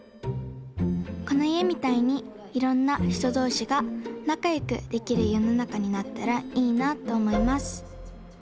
このいえみたいにいろんなひとどうしがなかよくできるよのなかになったらいいなとおもいます。